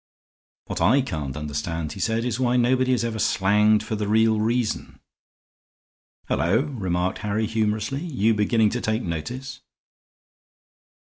"What I can't understand," he said, "is why nobody is ever slanged for the real reason." "Hullo!" remarked Harry, humorously, "you beginning to take notice?"